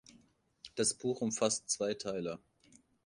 Das Buch umfasst zwei Teile.